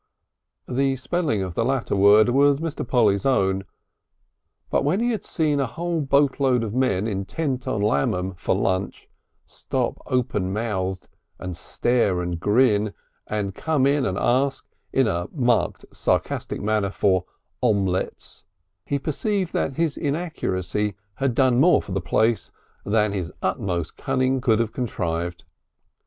The spelling of the latter word was Mr. Polly's own, but when he had seen a whole boatload of men, intent on Lammam for lunch, stop open mouthed, and stare and grin and come in and ask in a marked sarcastic manner for "omlets," he perceived that his inaccuracy had done more for the place than his utmost cunning could have contrived.